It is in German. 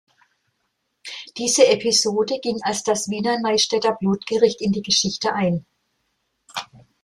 Diese Episode ging als das Wiener Neustädter Blutgericht in die Geschichte ein.